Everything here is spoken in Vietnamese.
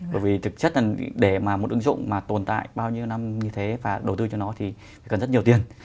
bởi vì thực chất là để mà một ứng dụng mà tồn tại bao nhiêu năm như thế và đầu tư cho nó thì cần rất nhiều tiền